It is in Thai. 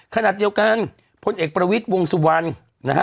ขณะเดียวกันพลเอกประวิทย์วงสุวรรณนะฮะ